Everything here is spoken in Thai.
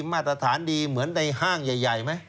มาตรฐานดีเหมือนในห้างใหญ่ไหม